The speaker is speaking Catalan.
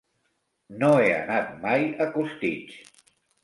No he anat mai a Costitx.